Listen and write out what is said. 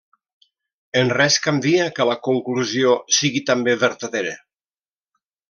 En res canvia que la conclusió sigui també vertadera.